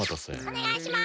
おねがいします。